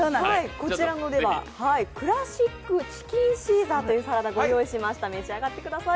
こちらのクラシック・チキンシーザーというサラダご用意しました、召し上がってください。